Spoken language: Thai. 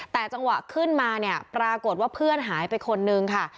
แต่จังหวะขึ้นมาเนี่ยปรากฏว่าเพื่อนหายไปคนนึงค่ะ